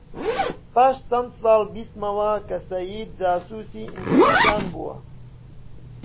پاش چەند ساڵ بیستمەوە کە سەید جاسووسی ئینگلیسان بووە